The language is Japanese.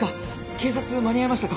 警察間に合いましたか。